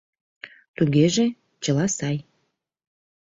— Тугеже, чыла сай.